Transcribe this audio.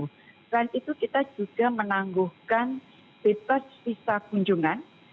selain itu kita juga menangguhkan bebas visa kunjungan